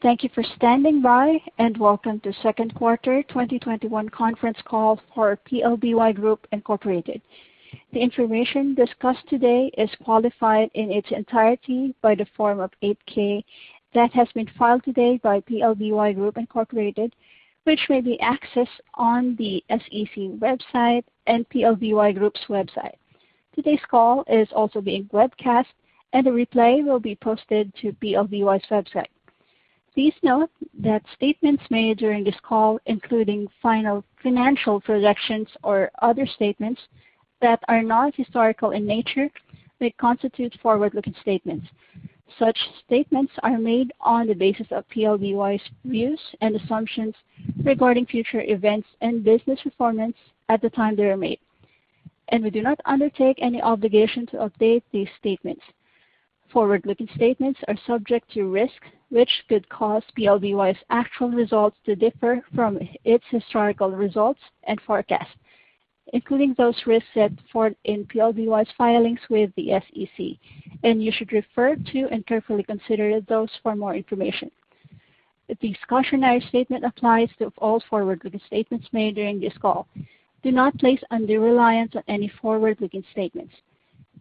Thank you for standing by, welcome to second quarter 2021 conference call for PLBY Group, Incorporated. The information discussed today is qualified in its entirety by the Form 8-K that has been filed today by PLBY Group, Incorporated, which may be accessed on the SEC website and PLBY Group's website. Today's call is also being webcast, and a replay will be posted to PLBY's website. Please note that statements made during this call, including final financial projections or other statements that are not historical in nature, may constitute forward-looking statements. Such statements are made on the basis of PLBY's views and assumptions regarding future events and business performance at the time they are made, and we do not undertake any obligation to update these statements. Forward-looking statements are subject to risks which could cause PLBY's actual results to differ from its historical results and forecasts, including those risks set forth in PLBY's filings with the SEC. You should refer to and carefully consider those for more information. This cautionary statement applies to all forward-looking statements made during this call. Do not place undue reliance on any forward-looking statements.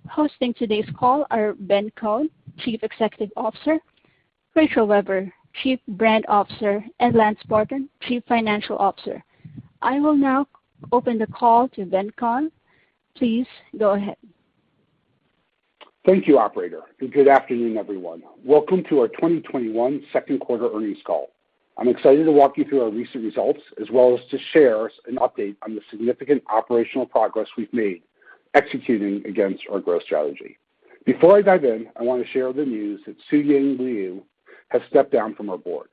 Hosting today's call are Ben Kohn, Chief Executive Officer, Rachel Webber, Chief Brand Officer, and Lance Barton, Chief Financial Officer. I will now open the call to Ben Kohn. Please go ahead. Thank you, operator, and good afternoon, everyone. Welcome to our 2021 second quarter earnings call. I'm excited to walk you through our recent results, as well as to share an update on the significant operational progress we've made executing against our growth strategy. Before I dive in, I want to share the news that Suying Liu has stepped down from our board.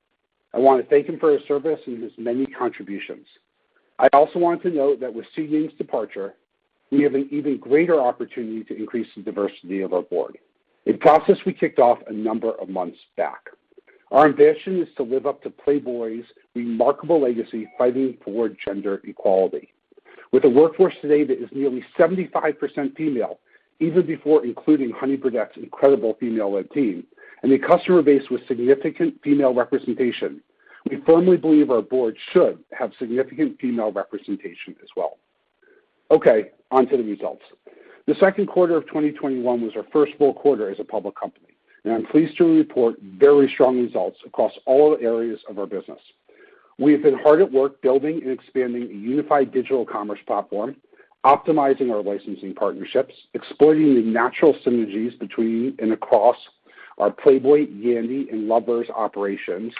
I want to thank him for his service and his many contributions. I also want to note that with Suying's departure, we have an even greater opportunity to increase the diversity of our board, a process we kicked off a number of months back. Our ambition is to live up to Playboy's remarkable legacy fighting for gender equality. With a workforce today that is nearly 75% female, even before including Honey Birdette's incredible female-led team, and a customer base with significant female representation, we firmly believe our board should have significant female representation as well. On to the results. The second quarter of 2021 was our first full quarter as a public company, and I'm pleased to report very strong results across all areas of our business. We have been hard at work building and expanding a unified digital commerce platform, optimizing our licensing partnerships, exploiting the natural synergies between and across our Playboy, Yandy, and Lovers operations,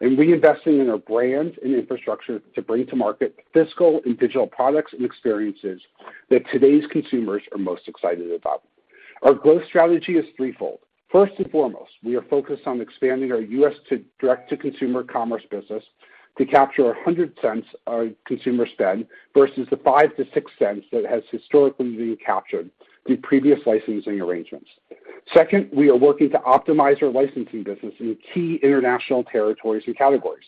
and reinvesting in our brands and infrastructure to bring to market physical and digital products and experiences that today's consumers are most excited about. Our growth strategy is threefold. First and foremost, we are focused on expanding our U.S. direct-to-consumer commerce business to capture $1.00 of consumer spend versus the $0.05-$0.06 that has historically been captured through previous licensing arrangements. Second, we are working to optimize our licensing business in key international territories and categories.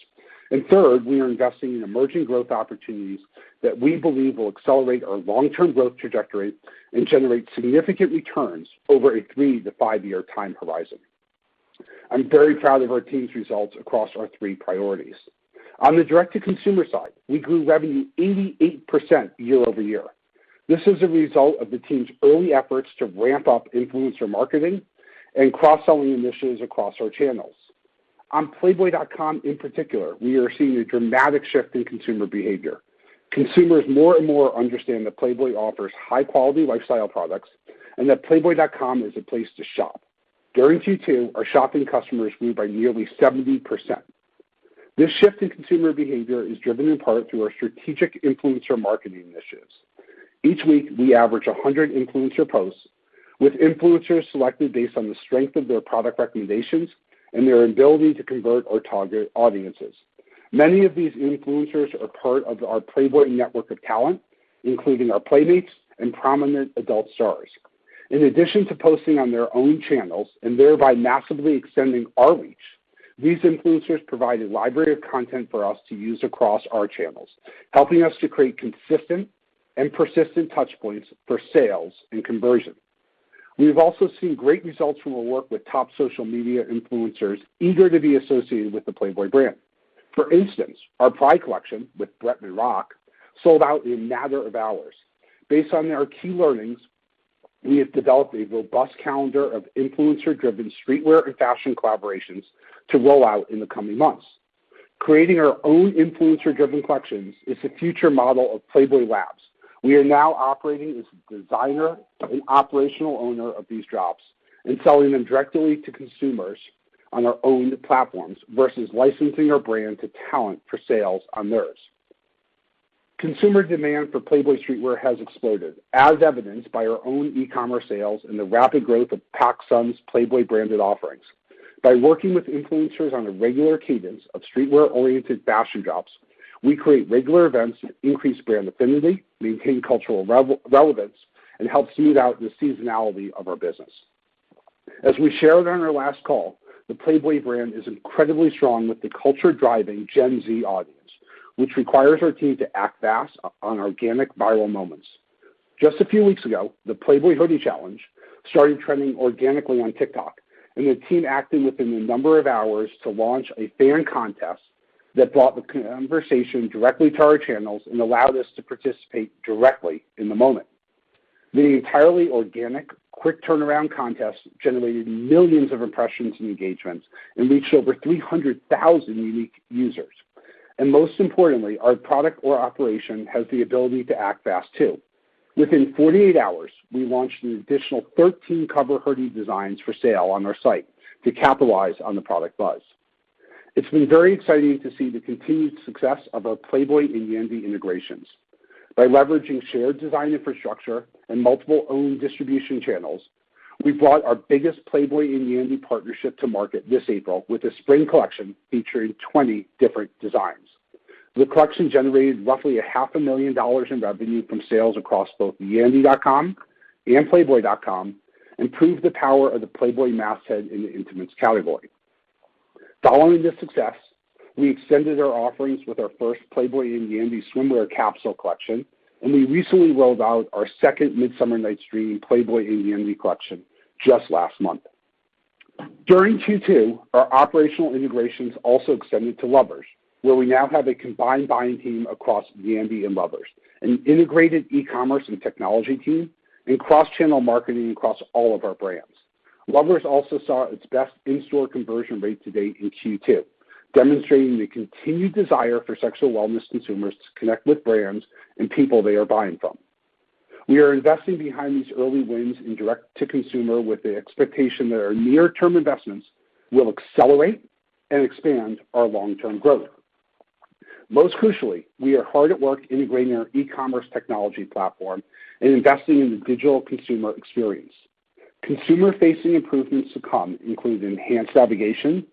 Third, we are investing in emerging growth opportunities that we believe will accelerate our long-term growth trajectory and generate significant returns over a three to five-year time horizon. I'm very proud of our team's results across our three priorities. On the direct-to-consumer side, we grew revenue 88% year-over-year. This is a result of the team's early efforts to ramp up influencer marketing and cross-selling initiatives across our channels. On playboy.com in particular, we are seeing a dramatic shift in consumer behavior. Consumers more and more understand that Playboy offers high-quality lifestyle products and that playboy.com is a place to shop. During Q2, our shopping customers grew by nearly 70%. This shift in consumer behavior is driven in part through our strategic influencer marketing initiatives. Each week, we average 100 influencer posts, with influencers selected based on the strength of their product recommendations and their ability to convert our target audiences. Many of these influencers are part of our Playboy network of talent, including our Playmates and prominent adult stars. In addition to posting on their own channels and thereby massively extending our reach, these influencers provide a library of content for us to use across our channels, helping us to create consistent and persistent touchpoints for sales and conversion. We've also seen great results from our work with top social media influencers eager to be associated with the Playboy brand. For instance, our Pride collection with Bretman Rock sold out in a matter of hours. Based on our key learnings, we have developed a robust calendar of influencer-driven streetwear and fashion collaborations to roll out in the coming months. Creating our own influencer-driven collections is the future model of Playboy Labs. We are now operating as the designer and operational owner of these drops and selling them directly to consumers on our own platforms versus licensing our brand to talent for sales on theirs. Consumer demand for Playboy streetwear has exploded, as evidenced by our own e-commerce sales and the rapid growth of PacSun's Playboy branded offerings. By working with influencers on a regular cadence of streetwear-oriented fashion drops, we create regular events that increase brand affinity, maintain cultural relevance, and help smooth out the seasonality of our business. As we shared on our last call, the Playboy brand is incredibly strong with the culture-driving Gen Z audience, which requires our team to act fast on organic viral moments. Just a few weeks ago, the Playboy hoodie challenge started trending organically on TikTok, and the team acted within a number of hours to launch a fan contest that brought the conversation directly to our channels and allowed us to participate directly in the moment. The entirely organic, quick turnaround contest generated millions of impressions and engagements and reached over 300,000 unique users. Most importantly, our product or operation has the ability to act fast too. Within 48 hours, we launched an additional 13 cover hoodie designs for sale on our site to capitalize on the product buzz. It's been very exciting to see the continued success of our Playboy and Yandy integrations. By leveraging shared design infrastructure and multiple owned distribution channels, we brought our biggest Playboy and Yandy partnership to market this April with a spring collection featuring 20 different designs. The collection generated roughly a $500,000 in revenue from sales across both yandy.com and playboy.com, and proved the power of the Playboy masthead in the intimates category. Following this success, we extended our offerings with our first Playboy and Yandy swimwear capsule collection, and we recently rolled out our second Midsummer Night's Dream Playboy and Yandy collection just last month. During Q2, our operational integrations also extended to Lovers, where we now have a combined buying team across Yandy and Lovers, an integrated e-commerce and technology team, and cross-channel marketing across all of our brands. Lovers also saw its best in-store conversion rate to date in Q2, demonstrating the continued desire for sexual wellness consumers to connect with brands and people they are buying from. We are investing behind these early wins in direct-to-consumer with the expectation that our near-term investments will accelerate and expand our long-term growth. Most crucially, we are hard at work integrating our e-commerce technology platform and investing in the digital consumer experience. Consumer-facing improvements to come include enhanced navigation,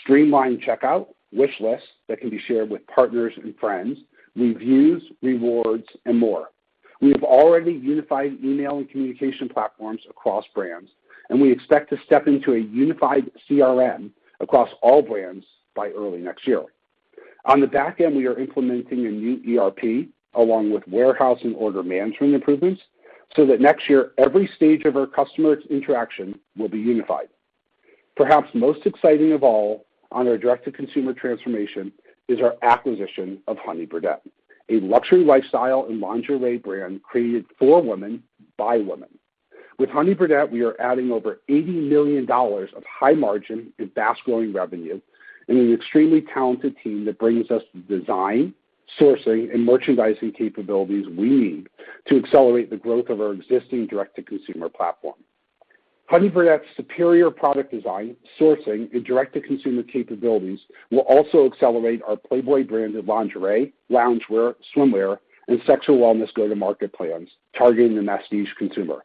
streamlined checkout, wish lists that can be shared with partners and friends, reviews, rewards, and more. We have already unified email and communication platforms across brands, and we expect to step into a unified CRM across all brands by early next year. On the back end, we are implementing a new ERP along with warehouse and order management improvements so that next year every stage of our customer interaction will be unified. Perhaps most exciting of all on our direct-to-consumer transformation is our acquisition of Honey Birdette, a luxury lifestyle and lingerie brand created for women by women. With Honey Birdette, we are adding over $80 million of high margin and fast-growing revenue, and an extremely talented team that brings us the design, sourcing, and merchandising capabilities we need to accelerate the growth of our existing direct-to-consumer platform. Honey Birdette's superior product design, sourcing, and direct-to-consumer capabilities will also accelerate our Playboy brand of lingerie, loungewear, swimwear, and sexual wellness go-to-market plans targeting the mass-niche consumer.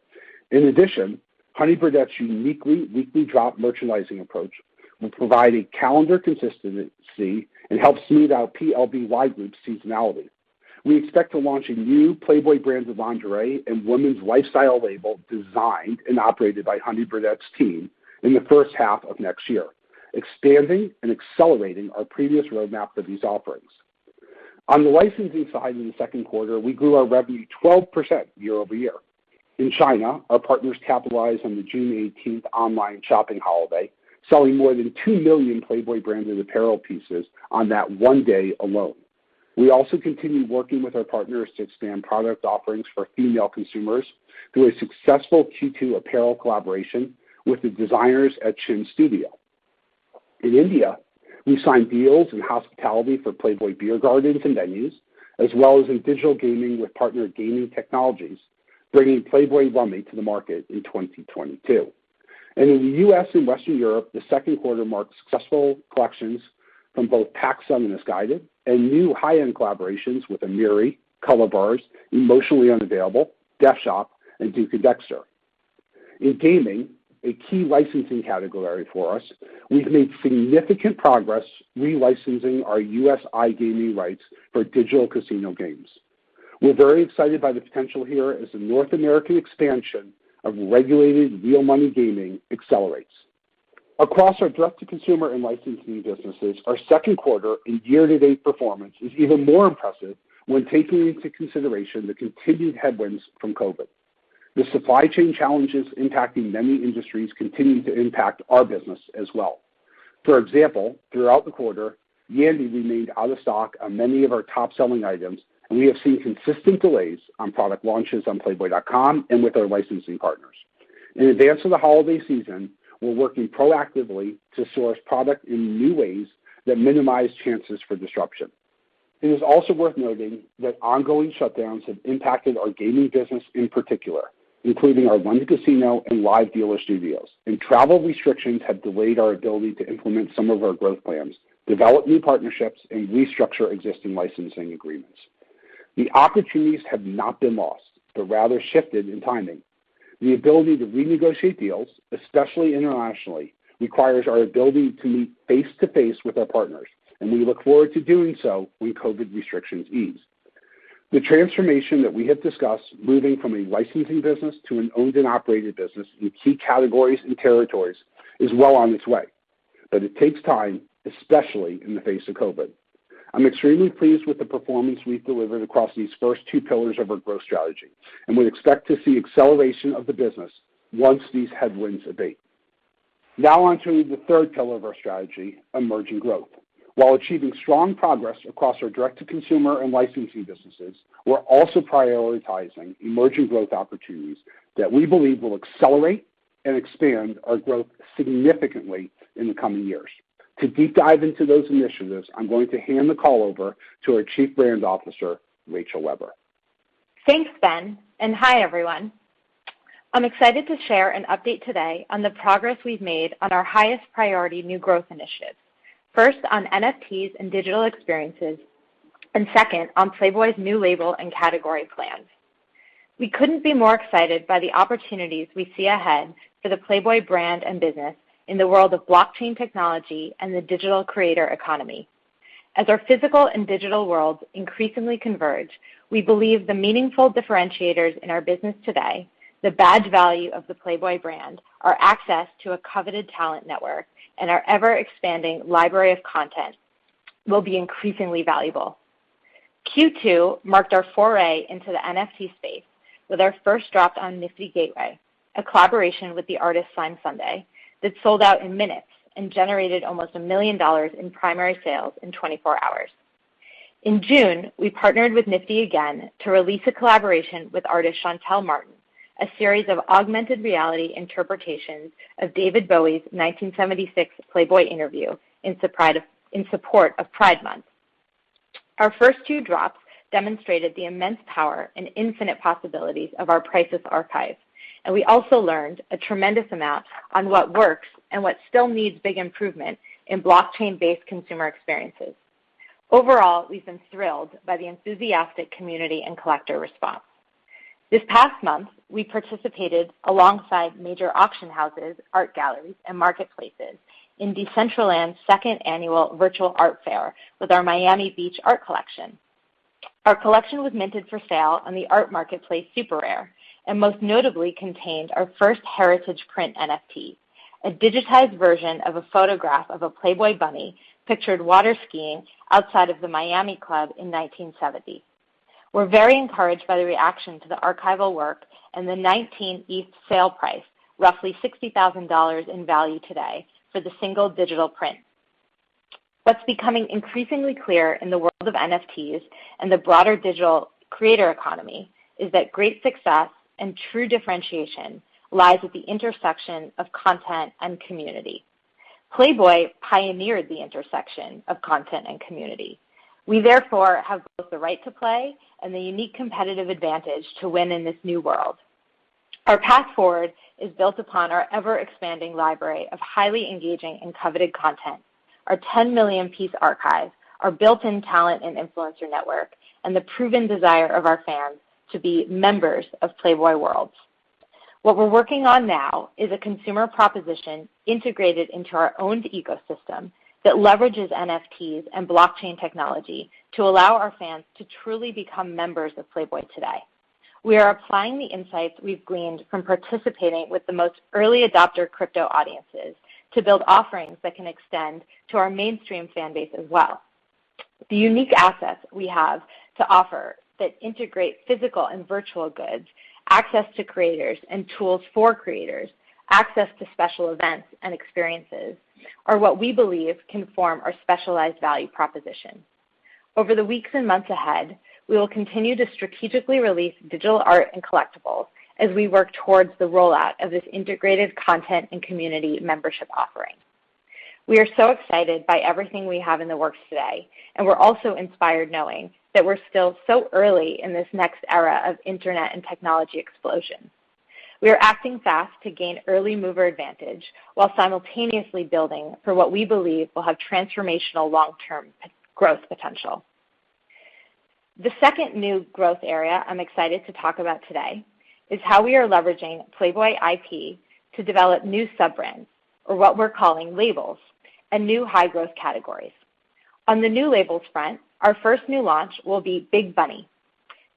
In addition, Honey Birdette's uniquely weekly drop merchandising approach will provide a calendar consistency and help smooth out PLBY Group seasonality. We expect to launch a new Playboy brand of lingerie and women's lifestyle label designed and operated by Honey Birdette's team in the first half of next year, expanding and accelerating our previous roadmap for these offerings. On the licensing side in the second quarter, we grew our revenue 12% year-over-year. In China, our partners capitalized on the June 18th online shopping holiday, selling more than 2 million Playboy-branded apparel pieces on that one day alone. We also continue working with our partners to expand product offerings for female consumers through a successful Q2 apparel collaboration with the designers at Chin Studio. In India, we signed deals in hospitality for Playboy Beer Gardens and venues, as well as in digital gaming with partner Gaming Technologies, bringing Playboy Rummy to the market in 2022. In the U.S. and Western Europe, the second quarter marked successful collections from both PacSun and Missguided, and new high-end collaborations with AMIRI, Color Bars, Emotionally Unavailable, DefShop, and Duke + Dexter. In gaming, a key licensing category for us, we've made significant progress re-licensing our U.S. iGaming rights for digital casino games. We're very excited by the potential here as the North American expansion of regulated real money gaming accelerates. Across our direct-to-consumer and licensing businesses, our second quarter and year-to-date performance is even more impressive when taking into consideration the continued headwinds from COVID. The supply chain challenges impacting many industries continue to impact our business as well. For example, throughout the quarter, Yandy remained out of stock on many of our top-selling items, and we have seen consistent delays on product launches on playboy.com and with our licensing partners. In advance of the holiday season, we're working proactively to source product in new ways that minimize chances for disruption. It is also worth noting that ongoing shutdowns have impacted our gaming business in particular, including our London casino and live dealer studios, and travel restrictions have delayed our ability to implement some of our growth plans, develop new partnerships, and restructure existing licensing agreements. The opportunities have not been lost, but rather shifted in timing. The ability to renegotiate deals, especially internationally, requires our ability to meet face-to-face with our partners, and we look forward to doing so when COVID restrictions ease. The transformation that we have discussed, moving from a licensing business to an owned and operated business in key categories and territories, is well on its way. It takes time, especially in the face of COVID. I'm extremely pleased with the performance we've delivered across these first two pillars of our growth strategy, and we expect to see acceleration of the business once these headwinds abate. Now onto the third pillar of our strategy, emerging growth. While achieving strong progress across our direct-to-consumer and licensing businesses, we're also prioritizing emerging growth opportunities that we believe will accelerate and expand our growth significantly in the coming years. To deep dive into those initiatives, I'm going to hand the call over to our Chief Brand Officer, Rachel Webber. Thanks, Ben, and hi, everyone. I'm excited to share an update today on the progress we've made on our highest priority new growth initiatives. First on NFTs and digital experiences, and second on Playboy's new label and category plans. We couldn't be more excited by the opportunities we see ahead for the Playboy brand and business in the world of blockchain technology and the digital creator economy. As our physical and digital worlds increasingly converge, we believe the meaningful differentiators in our business today, the badge value of the Playboy brand, our access to a coveted talent network, and our ever-expanding library of content will be increasingly valuable. Q2 marked our foray into the NFT space with our first drop on Nifty Gateway, a collaboration with the artist Slimesunday that sold out in minutes and generated almost $1 million in primary sales in 24 hours. In June, we partnered with Nifty again to release a collaboration with artist Shantell Martin, a series of augmented reality interpretations of David Bowie's 1976 Playboy interview in support of Pride Month. Our first two drops demonstrated the immense power and infinite possibilities of our priceless archive, and we also learned a tremendous amount on what works and what still needs big improvement in blockchain-based consumer experiences. Overall, we've been thrilled by the enthusiastic community and collector response. This past month, we participated alongside major auction houses, art galleries, and marketplaces in Decentraland's second annual virtual art fair with our Miami Beach Art Collection. Our collection was minted for sale on the art marketplace, SuperRare, and most notably contained our first heritage print NFT, a digitized version of a photograph of a Playboy bunny pictured water skiing outside of the Miami club in 1970. We're very encouraged by the reaction to the archival work and the 19 ETH sale price, roughly $60,000 in value today for the single digital print. What's becoming increasingly clear in the world of NFTs and the broader digital creator economy is that great success and true differentiation lies at the intersection of content and community. Playboy pioneered the intersection of content and community. We therefore have both the right to play and the unique competitive advantage to win in this new world. Our path forward is built upon our ever-expanding library of highly engaging and coveted content. Our 10 million-piece archive, our built-in talent and influencer network, and the proven desire of our fans to be members of Playboy worlds. What we're working on now is a consumer proposition integrated into our owned ecosystem that leverages NFTs and blockchain technology to allow our fans to truly become members of Playboy today. We are applying the insights we've gleaned from participating with the most early adopter crypto audiences to build offerings that can extend to our mainstream fan base as well. The unique assets we have to offer that integrate physical and virtual goods, access to creators and tools for creators, access to special events and experiences are what we believe can form our specialized value proposition. Over the weeks and months ahead, we will continue to strategically release digital art and collectibles as we work towards the rollout of this integrated content and community membership offering. We are so excited by everything we have in the works today, and we're also inspired knowing that we're still so early in this next era of internet and technology explosion. We are acting fast to gain early mover advantage while simultaneously building for what we believe will have transformational long-term growth potential. The second new growth area I'm excited to talk about today is how we are leveraging Playboy IP to develop new sub-brands, or what we're calling labels, and new high-growth categories. On the new labels front, our first new launch will be BIGBUNNY.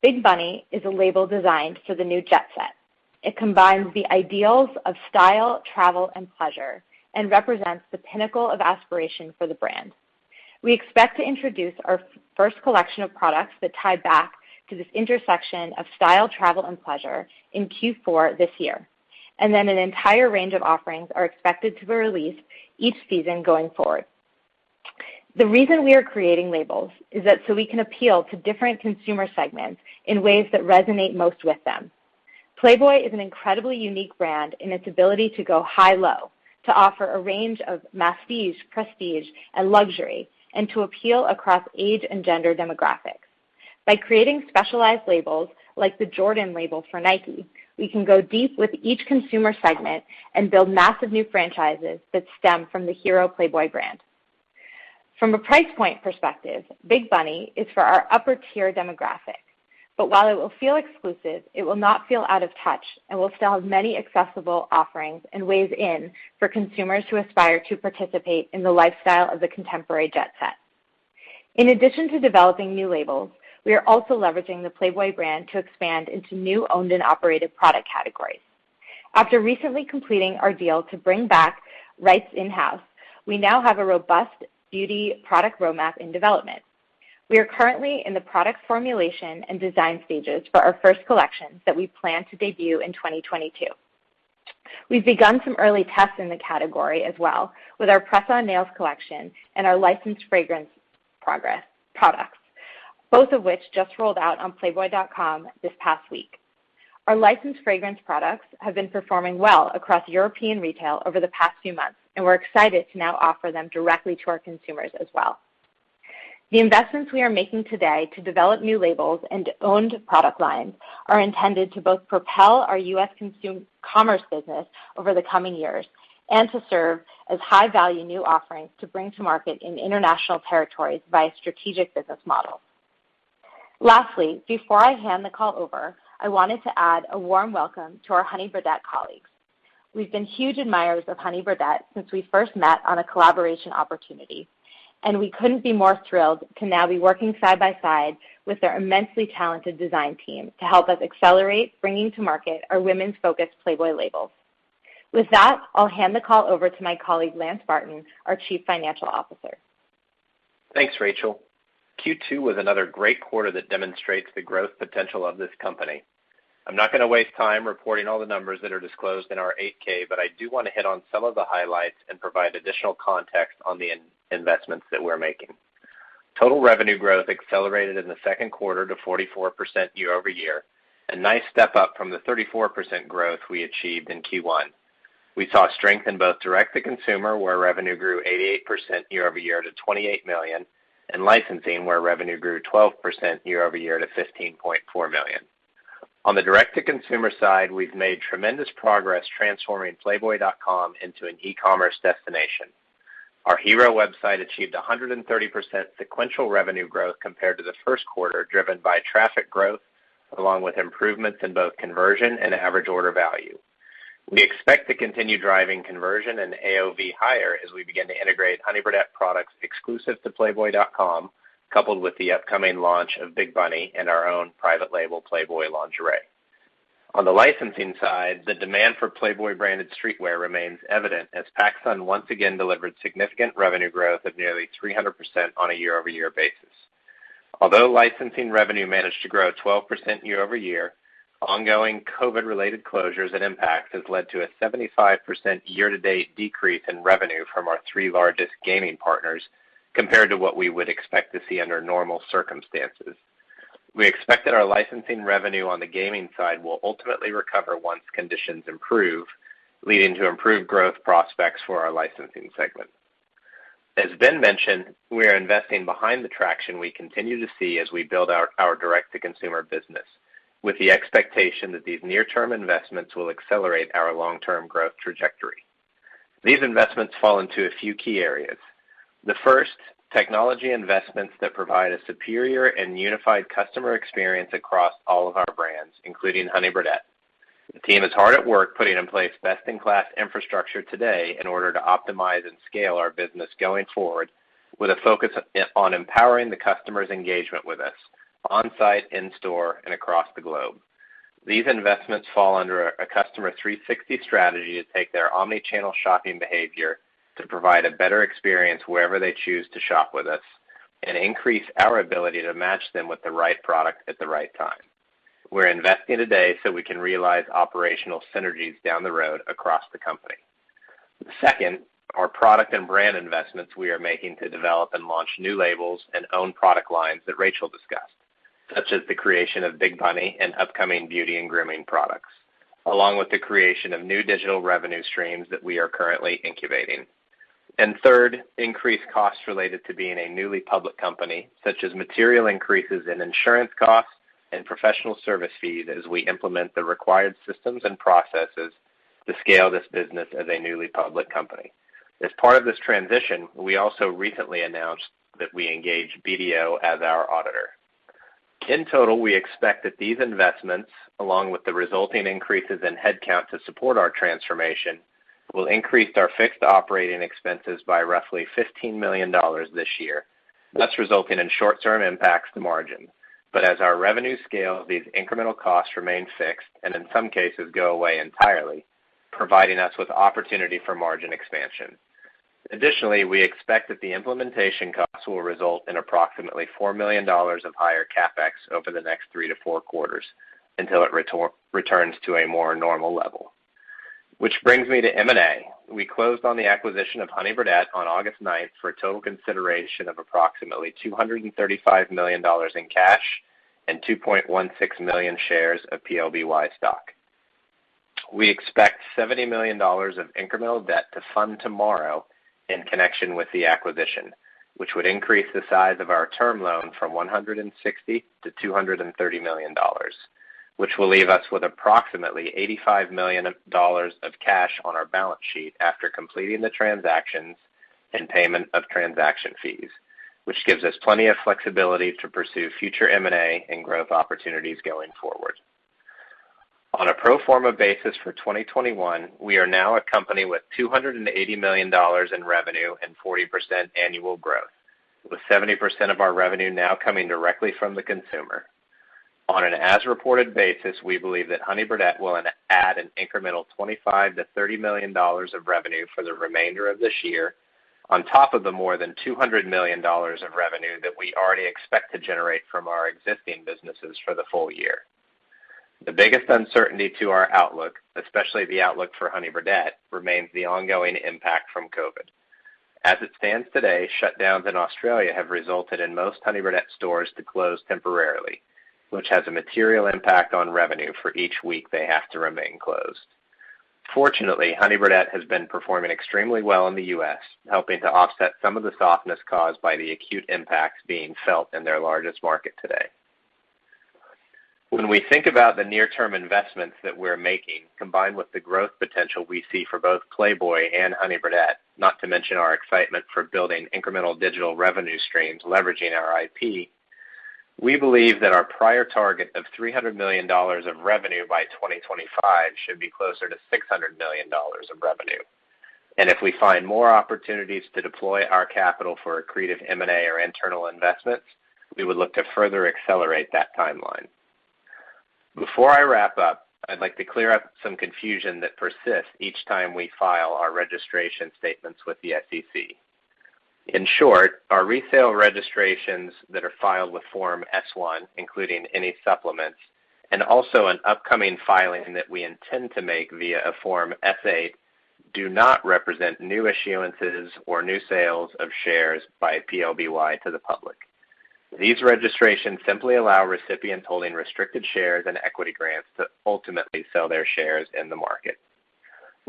BIGBUNNY is a label designed for the new jet set. It combines the ideals of style, travel, and pleasure and represents the pinnacle of aspiration for the brand. We expect to introduce our first collection of products that tie back to this intersection of style, travel, and pleasure in Q4 this year. An entire range of offerings are expected to be released each season going forward. The reason we are creating labels is that so we can appeal to different consumer segments in ways that resonate most with them. Playboy is an incredibly unique brand in its ability to go high-low, to offer a range of masstige, prestige, and luxury, and to appeal across age and gender demographics. By creating specialized labels like the Jordan label for Nike, we can go deep with each consumer segment and build massive new franchises that stem from the hero Playboy brand. From a price point perspective, BIGBUNNY is for our upper-tier demographic, but while it will feel exclusive, it will not feel out of touch and will still have many accessible offerings and ways in for consumers who aspire to participate in the lifestyle of the contemporary jet set. In addition to developing new labels, we are also leveraging the Playboy brand to expand into new owned and operated product categories. After recently completing our deal to bring back rights in-house, we now have a robust beauty product roadmap in development. We are currently in the product formulation and design stages for our first collection that we plan to debut in 2022. We've begun some early tests in the category as well with our press-on nails collection and our licensed fragrance products, both of which just rolled out on playboy.com this past week. Our licensed fragrance products have been performing well across European retail over the past few months. We're excited to now offer them directly to our consumers as well. The investments we are making today to develop new labels and owned product lines are intended to both propel our U.S. consumer commerce business over the coming years and to serve as high-value new offerings to bring to market in international territories via strategic business models. Lastly, before I hand the call over, I wanted to add a warm welcome to our Honey Birdette colleagues. We've been huge admirers of Honey Birdette since we first met on a collaboration opportunity. We couldn't be more thrilled to now be working side by side with their immensely talented design team to help us accelerate bringing to market our women's focused Playboy labels. With that, I'll hand the call over to my colleague, Lance Barton, our Chief Financial Officer. Thanks, Rachel. Q2 was another great quarter that demonstrates the growth potential of this company. I'm not going to waste time reporting all the numbers that are disclosed in our 8-K, but I do want to hit on some of the highlights and provide additional context on the investments that we're making. Total revenue growth accelerated in the second quarter to 44% year-over-year, a nice step up from the 34% growth we achieved in Q1. We saw strength in both direct-to-consumer, where revenue grew 88% year-over-year to $28 million, and licensing, where revenue grew 12% year-over-year to $15.4 million. On the direct-to-consumer side, we've made tremendous progress transforming playboy.com into an e-commerce destination. Our hero website achieved 130% sequential revenue growth compared to the first quarter, driven by traffic growth, along with improvements in both conversion and average order value. We expect to continue driving conversion and AOV higher as we begin to integrate Honey Birdette products exclusive to playboy.com, coupled with the upcoming launch of BIGBUNNY and our own private label, Playboy Lingerie. On the licensing side, the demand for Playboy branded streetwear remains evident as PacSun once again delivered significant revenue growth of nearly 300% on a year-over-year basis. Although licensing revenue managed to grow 12% year-over-year, ongoing COVID related closures and impact has led to a 75% year-to-date decrease in revenue from our three largest gaming partners compared to what we would expect to see under normal circumstances. We expect that our licensing revenue on the gaming side will ultimately recover once conditions improve, leading to improved growth prospects for our licensing segment. As Ben mentioned, we are investing behind the traction we continue to see as we build our direct-to-consumer business with the expectation that these near term investments will accelerate our long term growth trajectory. These investments fall into a few key areas. The first, technology investments that provide a superior and unified customer experience across all of our brands, including Honey Birdette. The team is hard at work putting in place best-in-class infrastructure today in order to optimize and scale our business going forward with a focus on empowering the customer's engagement with us on-site, in-store, and across the globe. These investments fall under a Customer 360 strategy to take their omni-channel shopping behavior to provide a better experience wherever they choose to shop with us and increase our ability to match them with the right product at the right time. We're investing today so we can realize operational synergies down the road across the company. The second are product and brand investments we are making to develop and launch new labels and own product lines that Rachel discussed, such as the creation of BIGBUNNY and upcoming beauty and grooming products, along with the creation of new digital revenue streams that we are currently incubating. Third, increased costs related to being a newly public company, such as material increases in insurance costs and professional service fees as we implement the required systems and processes to scale this business as a newly public company. As part of this transition, we also recently announced that we engaged BDO as our auditor. In total, we expect that these investments, along with the resulting increases in headcount to support our transformation, will increase our fixed operating expenses by roughly $15 million this year, thus resulting in short term impacts to margin. As our revenues scale, these incremental costs remain fixed and in some cases go away entirely, providing us with opportunity for margin expansion. Additionally, we expect that the implementation costs will result in approximately $4 million of higher CapEx over the next three to four quarters until it returns to a more normal level. Which brings me to M&A. We closed on the acquisition of Honey Birdette on August ninth for a total consideration of approximately $235 million in cash and 2.16 million shares of PLBY stock. We expect $70 million of incremental debt to fund tomorrow in connection with the acquisition, which would increase the size of our term loan from $160 million-$230 million, which will leave us with approximately $85 million of cash on our balance sheet after completing the transactions and payment of transaction fees, which gives us plenty of flexibility to pursue future M&A and growth opportunities going forward. On a pro forma basis for 2021, we are now a company with $280 million in revenue and 40% annual growth, with 70% of our revenue now coming directly from the consumer. On an as-reported basis, we believe that Honey Birdette will add an incremental $25 million-$30 million of revenue for the remainder of this year, on top of the more than $200 million of revenue that we already expect to generate from our existing businesses for the full year. The biggest uncertainty to our outlook, especially the outlook for Honey Birdette, remains the ongoing impact from COVID. As it stands today, shutdowns in Australia have resulted in most Honey Birdette stores to close temporarily, which has a material impact on revenue for each week they have to remain closed. Fortunately, Honey Birdette has been performing extremely well in the U.S., helping to offset some of the softness caused by the acute impacts being felt in their largest market today. When we think about the near-term investments that we're making, combined with the growth potential we see for both Playboy and Honey Birdette, not to mention our excitement for building incremental digital revenue streams leveraging our IP, we believe that our prior target of $300 million of revenue by 2025 should be closer to $600 million of revenue. If we find more opportunities to deploy our capital for accretive M&A or internal investments, we would look to further accelerate that timeline. Before I wrap up, I'd like to clear up some confusion that persists each time we file our registration statements with the SEC. In short, our resale registrations that are filed with Form S-1, including any supplements, and also an upcoming filing that we intend to make via a Form S-8, do not represent new issuances or new sales of shares by PLBY to the public. These registrations simply allow recipients holding restricted shares and equity grants to ultimately sell their shares in the market.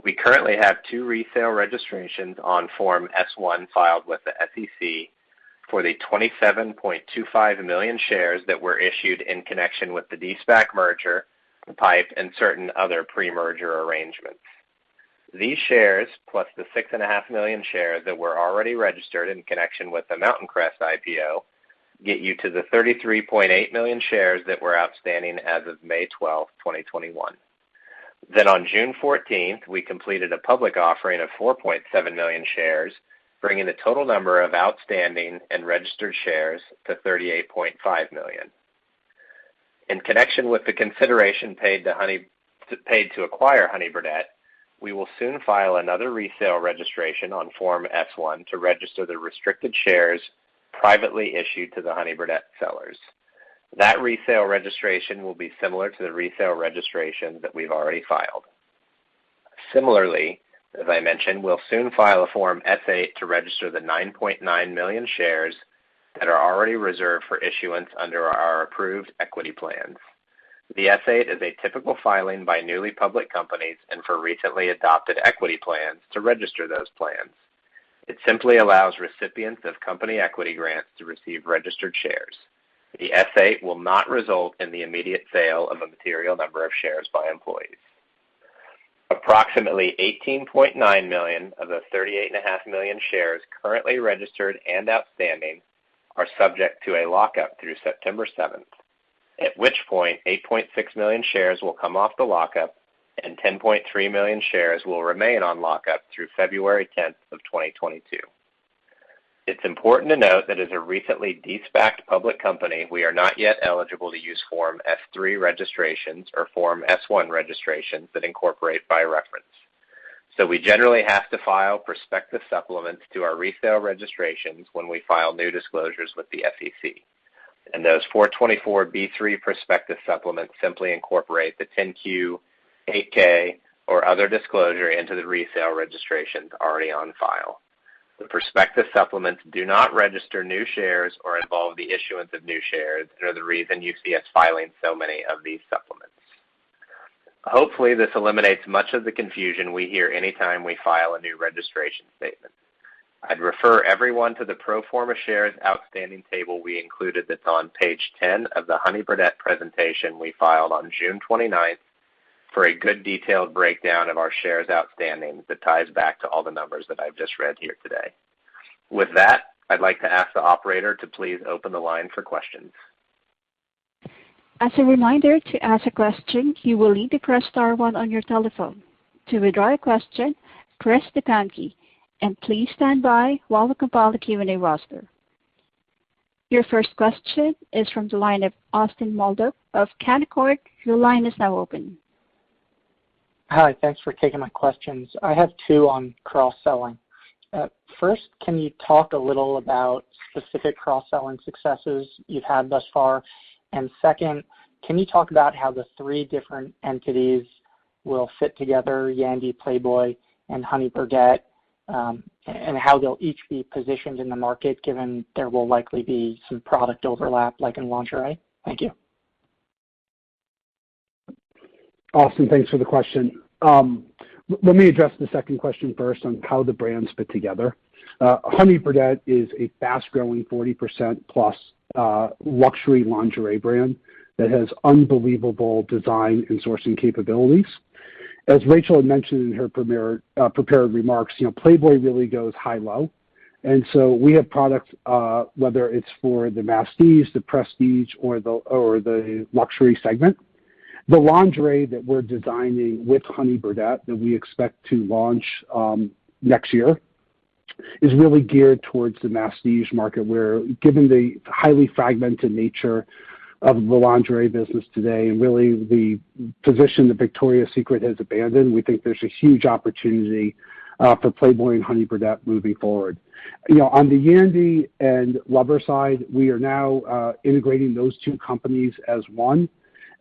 We currently have two resale registrations on Form S-1 filed with the SEC for the 27.25 million shares that were issued in connection with the de-SPAC merger, PIPE, and certain other pre-merger arrangements. These shares, plus the 6.5 million shares that were already registered in connection with the Mountain Crest IPO, get you to the 33.8 million shares that were outstanding as of May 12, 2021. On June 14, we completed a public offering of 4.7 million shares, bringing the total number of outstanding and registered shares to 38.5 million. In connection with the consideration paid to acquire Honey Birdette, we will soon file another resale registration on Form S-1 to register the restricted shares privately issued to the Honey Birdette sellers. That resale registration will be similar to the resale registration that we've already filed. Similarly, as I mentioned, we'll soon file a Form S-8 to register the 9.9 million shares that are already reserved for issuance under our approved equity plans. The S-8 is a typical filing by newly public companies and for recently adopted equity plans to register those plans. It simply allows recipients of company equity grants to receive registered shares. The S-8 will not result in the immediate sale of a material number of shares by employees. Approximately 18.9 million of the 38.5 million shares currently registered and outstanding are subject to a lock-up through September 7th, at which point 8.6 million shares will come off the lock-up, and 10.3 million shares will remain on lock-up through February 10th of 2022. It's important to note that as a recently de-SPACed public company, we are not yet eligible to use Form S-3 registrations or Form S-1 registrations that incorporate by reference. We generally have to file prospectus supplements to our resale registrations when we file new disclosures with the SEC. Those 424(b)(3) prospectus supplements simply incorporate the 10-Q, 8-K, or other disclosure into the resale registrations already on file. The prospectus supplements do not register new shares or involve the issuance of new shares and are the reason you see us filing so many of these supplements. Hopefully, this eliminates much of the confusion we hear anytime we file a new registration statement. I'd refer everyone to the pro forma shares outstanding table we included that's on page 10 of the Honey Birdette presentation we filed on June 29 for a good detailed breakdown of our shares outstanding that ties back to all the numbers that I've just read here today. With that, I'd like to ask the operator to please open the line for questions. As a reminder, to ask a question, you will need to press star one on your telephone. To withdraw a question, press the pound key and please stand by while we compile the Q&A roster. Your first question is from the line of Austin Moldow of Canaccord. Your line is now open. Hi. Thanks for taking my questions. I have two on cross-selling. First, can you talk a little about specific cross-selling successes you've had thus far? Second, can you talk about how the three different entities will fit together, Yandy, Playboy, and Honey Birdette, and how they'll each be positioned in the market, given there will likely be some product overlap, like in lingerie? Thank you. Austin, thanks for the question. Let me address the second question first on how the brands fit together. Honey Birdette is a fast-growing 40%+ luxury lingerie brand that has unbelievable design and sourcing capabilities. As Rachel had mentioned in her prepared remarks, Playboy really goes high-low. We have products, whether it's for the masstige, the prestige, or the luxury segment. The lingerie that we're designing with Honey Birdette that we expect to launch next year is really geared towards the masstige market, where, given the highly fragmented nature of the lingerie business today and really the position that Victoria's Secret has abandoned, we think there's a huge opportunity for Playboy and Honey Birdette moving forward. On the Yandy and Lovers side, we are now integrating those two companies as one.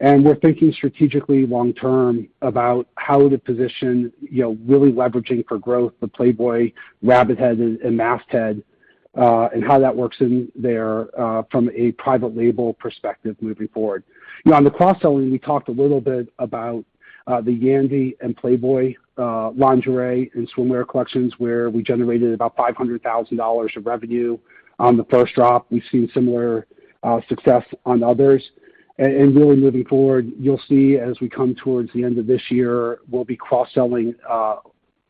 We're thinking strategically long-term about how to position, really leveraging for growth the Playboy rabbit head and masthead, and how that works in there from a private label perspective moving forward. On the cross-selling, we talked a little bit about the Yandy and Playboy Lingerie and swimwear collections, where we generated about $500,000 of revenue on the first drop. We've seen similar success on others. Really moving forward, you'll see as we come towards the end of this year, we'll be cross-selling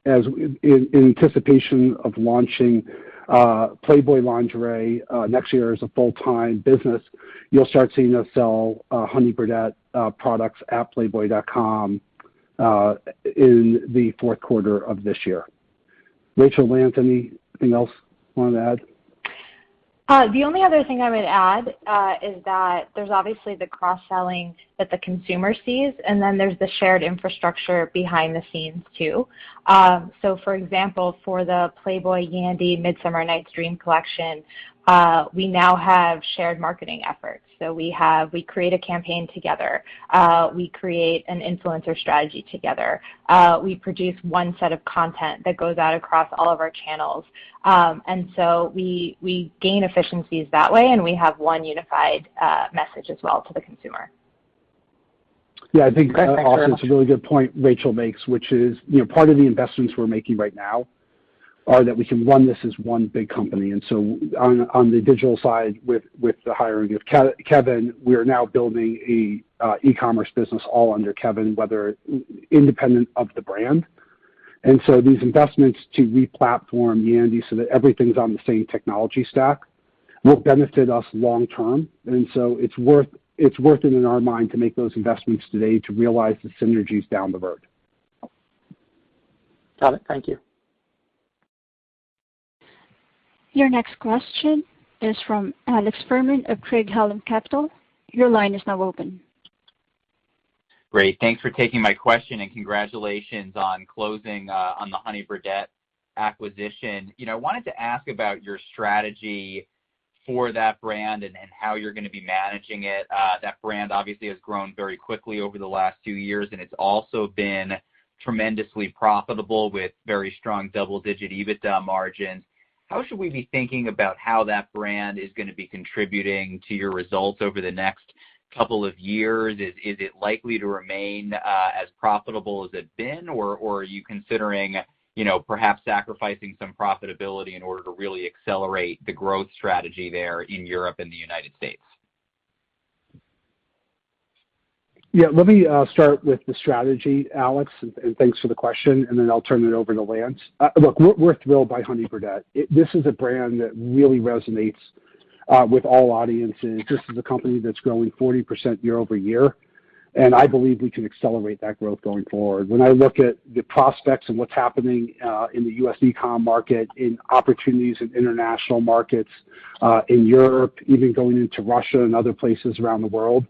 in anticipation of launching Playboy Lingerie next year as a full-time business. You'll start seeing us sell Honey Birdette products at playboy.com in the fourth quarter of this year. Rachel, Lance, anything else you want to add? The only other thing I would add is that there's obviously the cross-selling that the consumer sees, and then there's the shared infrastructure behind the scenes, too. For example, for the Playboy Yandy Midsummer Night's Dream collection, we now have shared marketing efforts. We create a campaign together. We create an influencer strategy together. We produce one set of content that goes out across all of our channels. We gain efficiencies that way, and we have one unified message as well to the consumer. Yeah, I think also it's a really good point Rachel makes, which is part of the investments we're making right now are that we can run this as one big company. On the digital side with the hiring of Kevin, we are now building an e-commerce business all under Kevin, independent of the brand. These investments to re-platform Yandy so that everything's on the same technology stack will benefit us long term. It's worth it in our mind to make those investments today to realize the synergies down the road. Got it. Thank you. Your next question is from Alex Fuhrman of Craig-Hallum Capital. Your line is now open. Great. Thanks for taking my question, and congratulations on closing on the Honey Birdette acquisition. I wanted to ask about your strategy for that brand and how you're going to be managing it. That brand obviously has grown very quickly over the last two years, and it's also been tremendously profitable with very strong double-digit EBITDA margins. How should we be thinking about how that brand is going to be contributing to your results over the next couple of years? Is it likely to remain as profitable as it's been, or are you considering perhaps sacrificing some profitability in order to really accelerate the growth strategy there in Europe and the United States? Yeah, let me start with the strategy, Alex, and thanks for the question, and then I'll turn it over to Lance. Look, we're thrilled by Honey Birdette. This is a brand that really resonates with all audiences. This is a company that's growing 40% year-over-year, and I believe we can accelerate that growth going forward. When I look at the prospects of what's happening in the U.S. e-com market, in opportunities in international markets, in Europe, even going into Russia and other places around the world,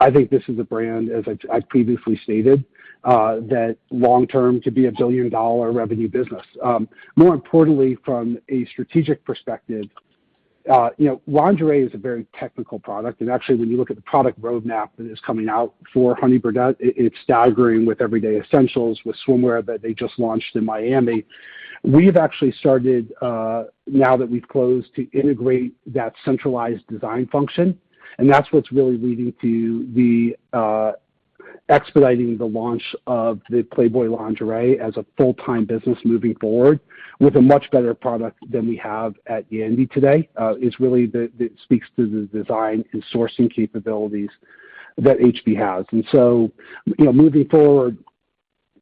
I think this is a brand, as I previously stated, that long term could be a $1 billion revenue business. More importantly, from a strategic perspective, lingerie is a very technical product, and actually, when you look at the product roadmap that is coming out for Honey Birdette, it's staggering with everyday essentials, with swimwear that they just launched in Miami. We've actually started, now that we've closed, to integrate that centralized design function. That's what's really leading to the expediting the launch of the Playboy Lingerie as a full-time business moving forward with a much better product than we have at Yandy today. It really speaks to the design and sourcing capabilities that HB has. Moving forward,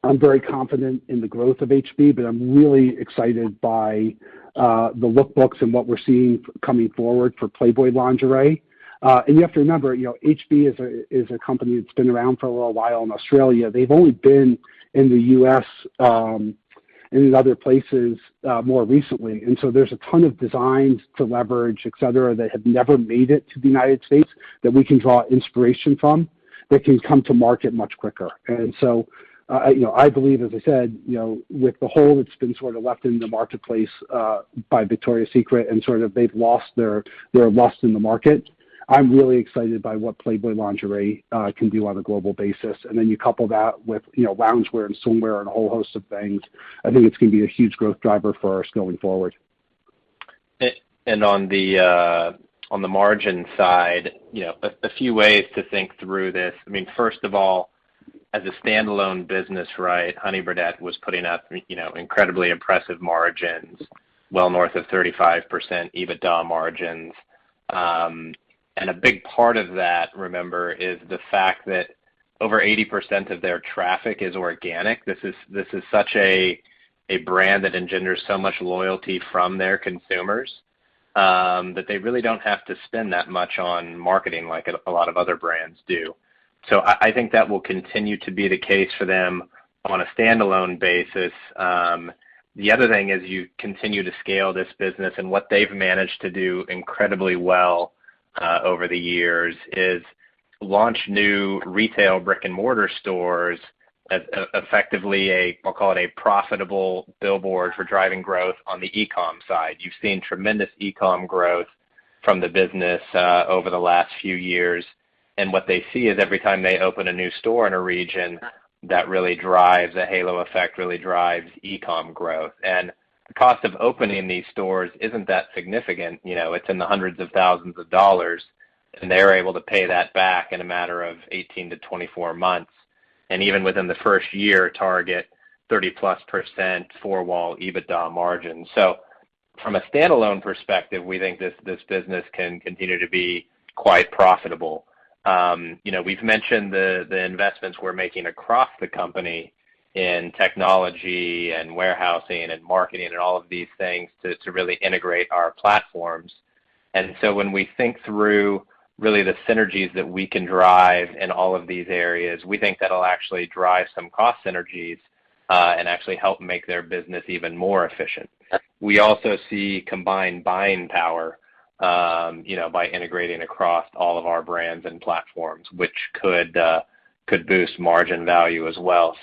I'm very confident in the growth of HB, but I'm really excited by the look books and what we're seeing coming forward for Playboy Lingerie. You have to remember, HB is a company that's been around for a little while in Australia. They've only been in the U.S. and in other places more recently. There's a ton of designs to leverage, et cetera, that have never made it to the United States that we can draw inspiration from, that can come to market much quicker. I believe, as I said, with the hole that's been sort of left in the marketplace by Victoria's Secret and sort of they've lost in the market, I'm really excited by what Playboy Lingerie can do on a global basis. Then you couple that with loungewear and swimwear and a whole host of things, I think it's going to be a huge growth driver for us going forward. On the margin side, a few ways to think through this. I mean, first of all, as a standalone business, Honey Birdette was putting up incredibly impressive margins, well north of 35% EBITDA margins. A big part of that, remember, is the fact that over 80% of their traffic is organic. This is such a brand that engenders so much loyalty from their consumers, that they really don't have to spend that much on marketing like a lot of other brands do. I think that will continue to be the case for them on a standalone basis. The other thing is you continue to scale this business, and what they've managed to do incredibly well over the years is launch new retail brick and mortar stores as effectively, I'll call it, a profitable billboard for driving growth on the e-com side. You've seen tremendous e-com growth from the business over the last few years. What they see is every time they open a new store in a region, that really drives a halo effect, really drives e-com growth. The cost of opening these stores isn't that significant. It's in the $100,000, and they are able to pay that back in a matter of 18-24 months. Even within the first year, target 30%+ four-wall EBITDA margin. From a standalone perspective, we think this business can continue to be quite profitable. We've mentioned the investments we're making across the company in technology and warehousing and marketing and all of these things to really integrate our platforms. When we think through really the synergies that we can drive in all of these areas, we think that'll actually drive some cost synergies, and actually help make their business even more efficient. We also see combined buying power by integrating across all of our brands and platforms, which could boost margin value as well.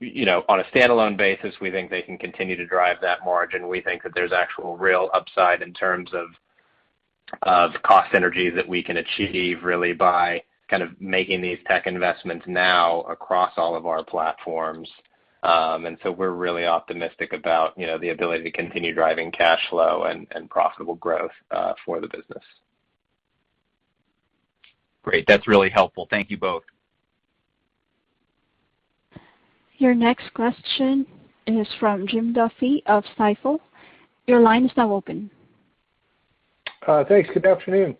On a standalone basis, we think they can continue to drive that margin. We think that there's actual real upside in terms of cost synergies that we can achieve really by kind of making these tech investments now across all of our platforms. We're really optimistic about the ability to continue driving cash flow and profitable growth for the business. Great. That's really helpful. Thank you both. Your next question is from Jim Duffy of Stifel. Your line is now open. Thanks. Good afternoon.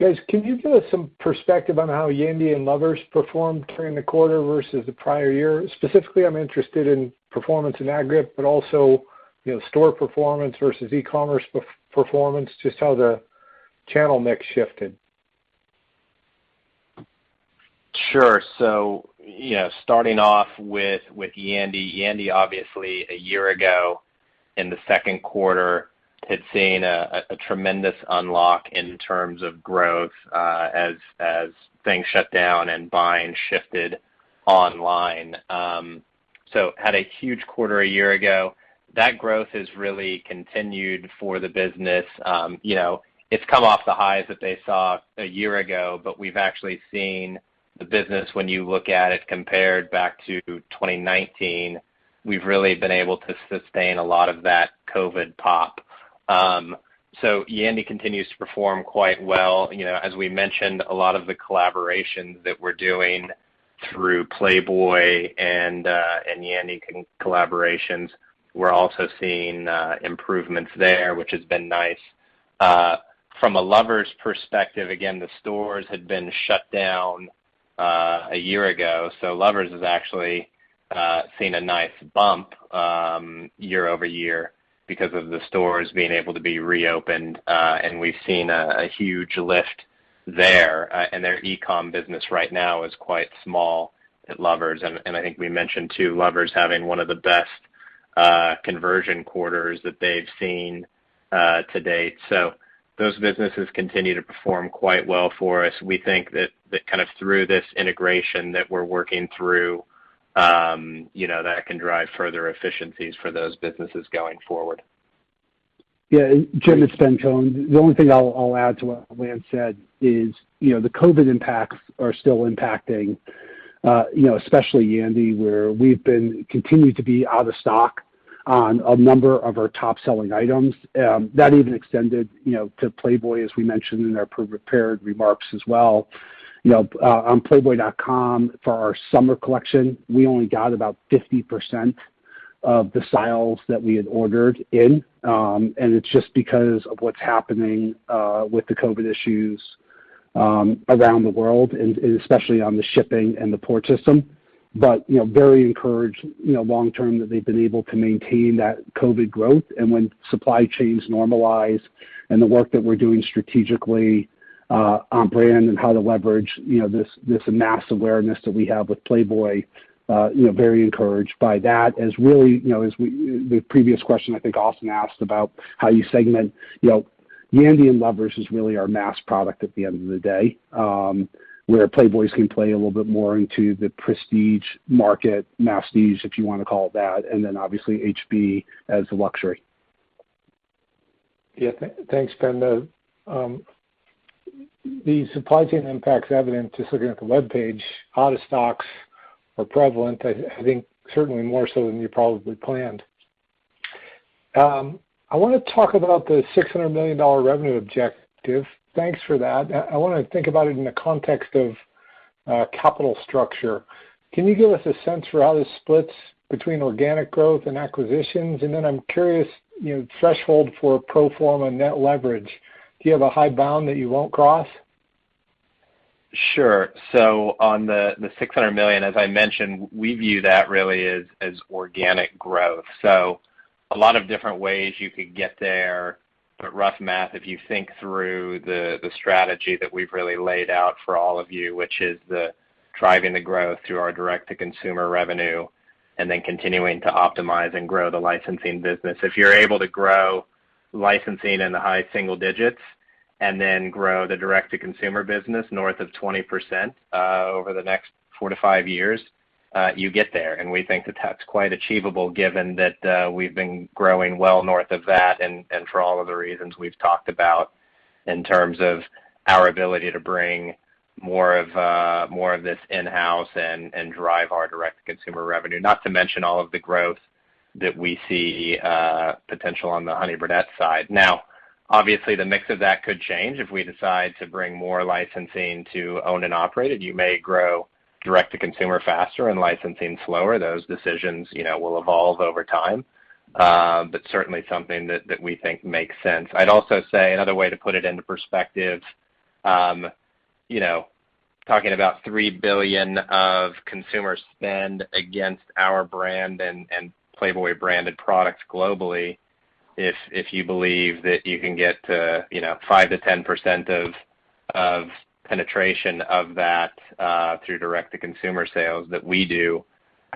Guys, can you give us some perspective on how Yandy and Lovers performed during the quarter versus the prior year? Specifically, I'm interested in performance in Yandy, but also store performance versus e-commerce performance, just how the channel mix shifted. Sure. Starting off with Yandy. Yandy, obviously, a year ago in the second quarter had seen a tremendous unlock in terms of growth as things shut down and buying shifted online. Had a huge quarter a year ago. That growth has really continued for the business. It's come off the highs that they saw a year ago, but we've actually seen the business, when you look at it compared back to 2019, we've really been able to sustain a lot of that COVID pop. Yandy continues to perform quite well. As we mentioned, a lot of the collaborations that we're doing through Playboy and Yandy collaborations, we're also seeing improvements there, which has been nice. From a Lovers perspective, again, the stores had been shut down a year ago, so Lovers has actually seen a nice bump year-over-year because of the stores being able to be reopened. We've seen a huge lift there. Their e-com business right now is quite small at Lovers. I think we mentioned, too, Lovers having one of the best conversion quarters that they've seen to date. Those businesses continue to perform quite well for us. We think that kind of through this integration that we're working through, that can drive further efficiencies for those businesses going forward. Yeah. Jim, it's Ben Kohn. The only thing I'll add to what Lance said is the COVID impacts are still impacting, especially Yandy, where we've continued to be out of stock on a number of our top-selling items. That even extended to Playboy, as we mentioned in our prepared remarks as well. On playboy.com, for our summer collection, we only got about 50% of the styles that we had ordered in. It's just because of what's happening with the COVID issues around the world, and especially on the shipping and the port system. Very encouraged long term that they've been able to maintain that COVID growth. When supply chains normalize and the work that we're doing strategically on brand and how to leverage this amassed awareness that we have with Playboy, very encouraged by that. The previous question, I think Austin asked about how you segment. Yandy and Lovers is really our mass product at the end of the day, where Playboy can play a little bit more into the prestige market, masstige, if you want to call it that, and then obviously HB as the luxury. Yeah. Thanks, Ben. The supply chain impact's evident, just looking at the webpage. Out of stocks are prevalent, I think certainly more so than you probably planned. I want to talk about the $600 million revenue objective. Thanks for that. I want to think about it in the context of capital structure. Can you give us a sense for how this splits between organic growth and acquisitions? I'm curious, threshold for pro forma net leverage, do you have a high bound that you won't cross? Sure. On the $600 million, as I mentioned, we view that really as organic growth. A lot of different ways you could get there, but rough math, if you think through the strategy that we've really laid out for all of you, which is the driving the growth through our direct-to-consumer revenue, and then continuing to optimize and grow the licensing business. If you're able to grow licensing in the high single digits, and then grow the direct-to-consumer business north of 20% over the next four to five years, you get there. We think that that's quite achievable given that we've been growing well north of that, and for all of the reasons we've talked about in terms of our ability to bring more of this in-house and drive our direct-to-consumer revenue, not to mention all of the growth that we see potential on the Honey Birdette side. Obviously, the mix of that could change if we decide to bring more licensing to owned and operated. You may grow direct-to-consumer faster and licensing slower. Those decisions will evolve over time. Certainly something that we think makes sense. I'd also say another way to put it into perspective, talking about $3 billion of consumer spend against our brand and Playboy branded products globally, if you believe that you can get to 5%-10% of penetration of that through direct-to-consumer sales that we do,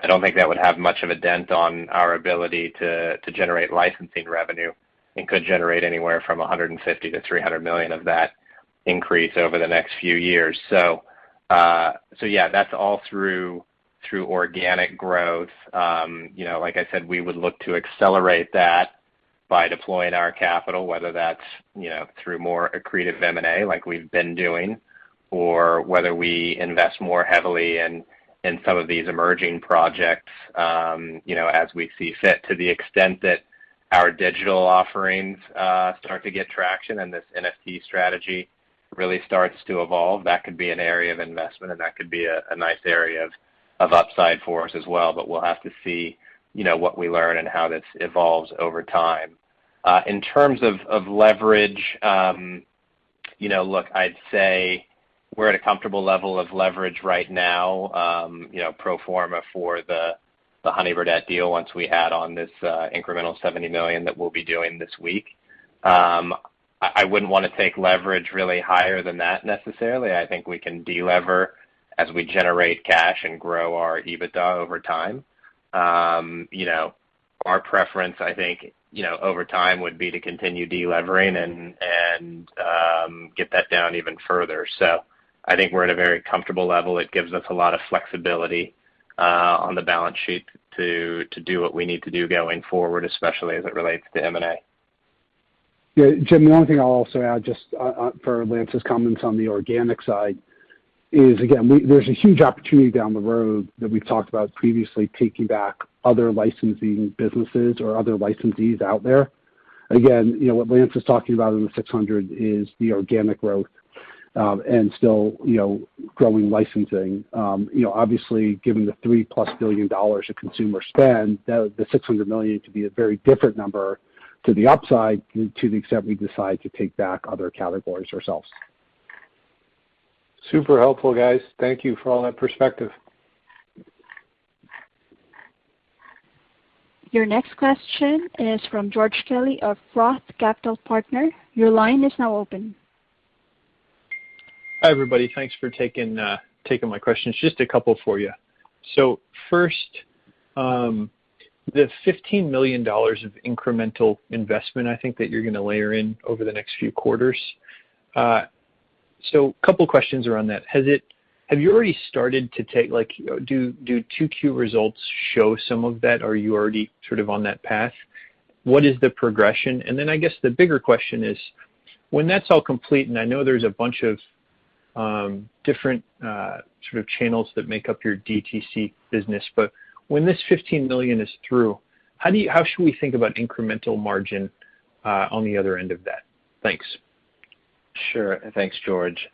I don't think that would have much of a dent on our ability to generate licensing revenue, and could generate anywhere from $150 million-$300 million of that increase over the next few years. Yeah, that's all through organic growth. Like I said, we would look to accelerate that by deploying our capital, whether that's through more accretive M&A like we've been doing, or whether we invest more heavily in some of these emerging projects, as we see fit. To the extent that our digital offerings start to get traction and this NFT strategy really starts to evolve, that could be an area of investment and that could be a nice area of upside for us as well, but we'll have to see what we learn and how this evolves over time. In terms of leverage, look, I'd say we're at a comfortable level of leverage right now, pro forma for the Honey Birdette deal, once we add on this incremental $70 million that we'll be doing this week. I wouldn't want to take leverage really higher than that, necessarily. I think we can de-lever as we generate cash and grow our EBITDA over time. Our preference, I think, over time would be to continue de-levering and get that down even further. I think we're at a very comfortable level. It gives us a lot of flexibility on the balance sheet to do what we need to do going forward, especially as it relates to M&A. Yeah. Jim, one thing I will also add just for Lance's comments on the organic side is, again, there's a huge opportunity down the road that we've talked about previously, taking back other licensing businesses or other licensees out there. Again, what Lance is talking about in the $600 million is the organic growth, and still growing licensing. Obviously, given the $3+ billion of consumer spend, the $600 million could be a very different number to the upside to the extent we decide to take back other categories ourselves. Super helpful, guys. Thank you for all that perspective. Your next question is from George Kelly of Roth Capital Partners. Your line is now open. Hi, everybody. Thanks for taking my questions. Just a couple for you. First, the $15 million of incremental investment, I think, that you're going to layer in over the next few quarters. A couple questions around that. Do 2Q results show some of that? Are you already sort of on that path? What is the progression? Then I guess the bigger question is, when that's all complete, and I know there's a bunch of different sort of channels that make up your DTC business, but when this $15 million is through, how should we think about incremental margin on the other end of that? Thanks. Thanks, George.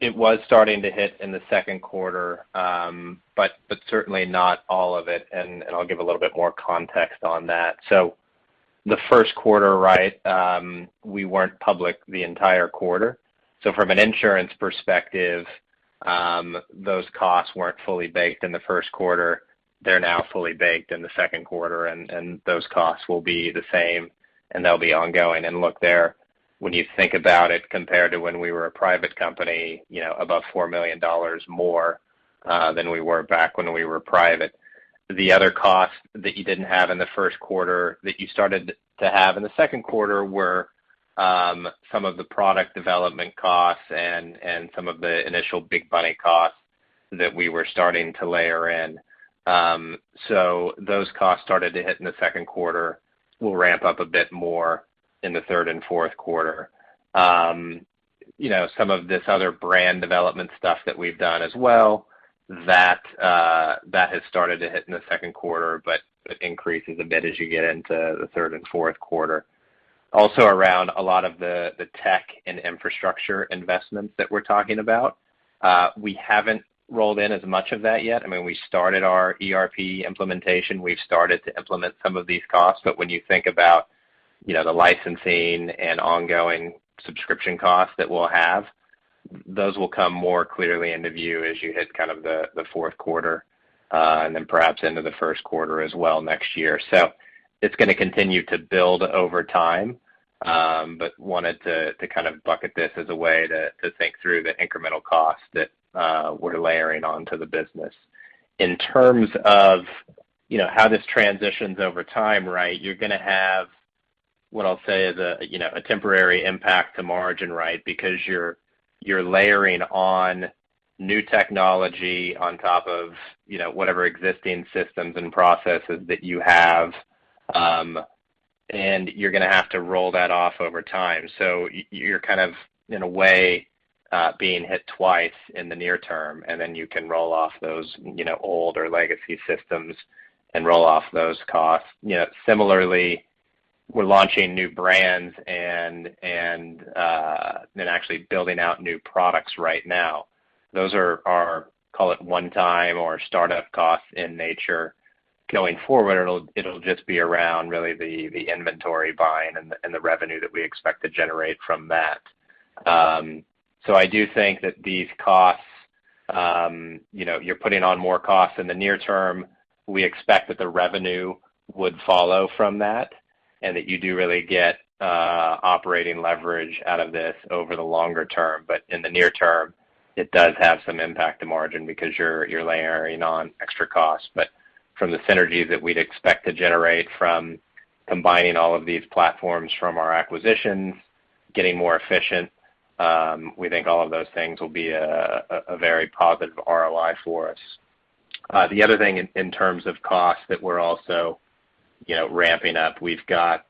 It was starting to hit in the second quarter, but certainly not all of it, and I'll give a little bit more context on that. The first quarter, we weren't public the entire quarter. From an insurance perspective, those costs weren't fully baked in the first quarter. They're now fully baked in the second quarter, and those costs will be the same, and they'll be ongoing. Look, there, when you think about it, compared to when we were a private company, above $4 million more than we were back when we were private. The other cost that you didn't have in the first quarter that you started to have in the second quarter were some of the product development costs and some of the initial BIGBUNNY costs that we were starting to layer in. Those costs started to hit in the second quarter, will ramp up a bit more in the third and fourth quarter. Some of this other brand development stuff that we've done as well, that has started to hit in the second quarter, but it increases a bit as you get into the third and fourth quarter. Around a lot of the tech and infrastructure investments that we're talking about. We haven't rolled in as much of that yet. We started our ERP implementation. We've started to implement some of these costs, but when you think about the licensing and ongoing subscription costs that we'll have, those will come more clearly into view as you hit the fourth quarter, and then perhaps into the first quarter as well next year. It's going to continue to build over time, but wanted to kind of bucket this as a way to think through the incremental costs that we're layering onto the business. In terms of how this transitions over time, you're going to have, what I'll say is a temporary impact to margin, because you're layering on new technology on top of whatever existing systems and processes that you have, and you're going to have to roll that off over time. You're kind of, in a way, being hit twice in the near term, and then you can roll off those older legacy systems and roll off those costs. Similarly, we're launching new brands and then actually building out new products right now. Those are our call it one time or startup costs in nature. Going forward, it'll just be around really the inventory buying and the revenue that we expect to generate from that. I do think that these costs, you're putting on more costs in the near term. We expect that the revenue would follow from that, and that you do really get operating leverage out of this over the longer term. In the near term, it does have some impact to margin because you're layering on extra costs. From the synergies that we'd expect to generate from combining all of these platforms from our acquisitions, getting more efficient, we think all of those things will be a very positive ROI for us. The other thing in terms of costs that we're also ramping up, we've got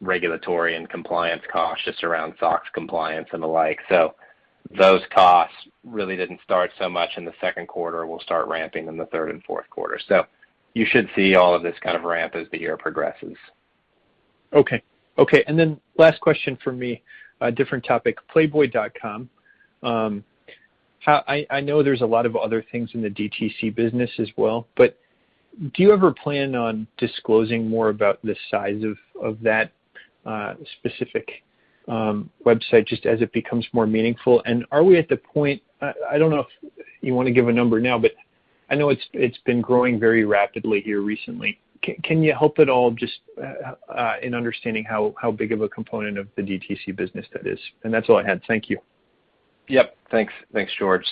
regulatory and compliance costs just around SOX compliance and the like. Those costs really didn't start so much in the second quarter. We'll start ramping in the third and fourth quarter. You should see all of this kind of ramp as the year progresses. Okay. Last question from me, a different topic, playboy.com. I know there's a lot of other things in the DTC business as well. Do you ever plan on disclosing more about the size of that specific website, just as it becomes more meaningful? Are we at the point, I don't know if you want to give a number now, but I know it's been growing very rapidly here recently. Can you help at all just in understanding how big of a component of the DTC business that is? That's all I had. Thank you. Yep. Thanks, George.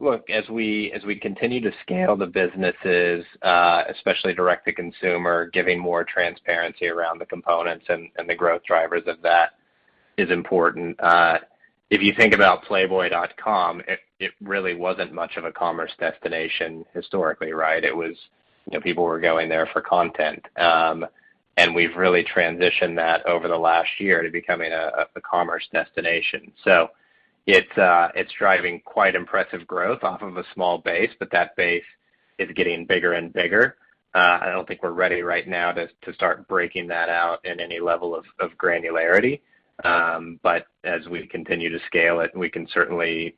Look, as we continue to scale the businesses, especially direct to consumer, giving more transparency around the components and the growth drivers of that is important. If you think about playboy.com, it really wasn't much of a commerce destination historically, right? People were going there for content. We've really transitioned that over the last year to becoming a commerce destination. It's driving quite impressive growth off of a small base, but that base is getting bigger and bigger. I don't think we're ready right now to start breaking that out in any level of granularity. As we continue to scale it, we can certainly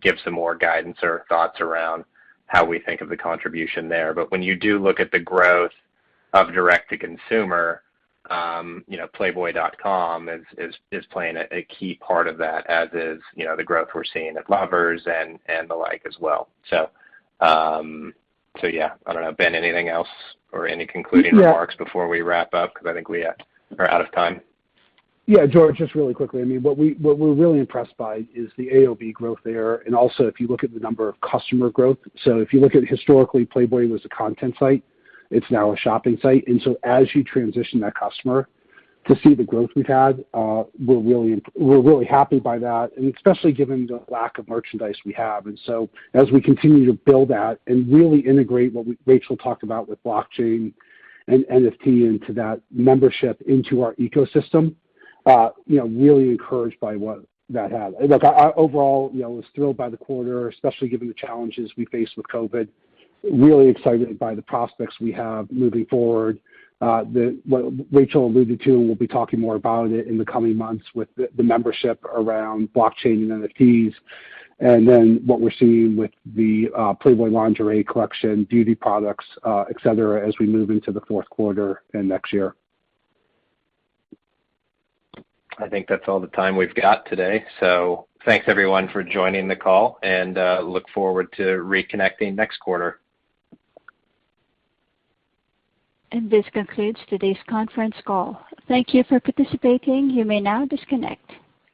give some more guidance or thoughts around how we think of the contribution there. When you do look at the growth of direct to consumer, playboy.com is playing a key part of that, as is the growth we're seeing at Lovers and the like as well. Yeah, I don't know, Ben, anything else or any concluding remarks before we wrap up, because I think we are out of time. George, just really quickly. What we're really impressed by is the AOV growth there, and also if you look at the number of customer growth. If you look at historically, Playboy was a content site. It's now a shopping site. As you transition that customer to see the growth we've had, we're really happy by that, and especially given the lack of merchandise we have. As we continue to build that and really integrate what Rachel talked about with blockchain and NFT into that membership into our ecosystem, really encouraged by what that had. Look, overall, I was thrilled by the quarter, especially given the challenges we faced with COVID. Really excited by the prospects we have moving forward. What Rachel alluded to, and we'll be talking more about it in the coming months with the membership around blockchain and NFTs, and then what we're seeing with the Playboy Lingerie collection, beauty products, et cetera, as we move into the fourth quarter and next year. I think that's all the time we've got today. Thanks everyone for joining the call, and look forward to reconnecting next quarter. This concludes today's conference call. Thank you for participating. You may now disconnect.